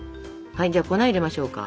じゃあ粉入れましょうか。